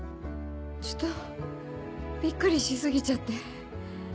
ちょっとビックリし過ぎちゃって。